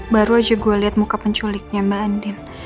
baru aja gue liat muka penculiknya mbak anding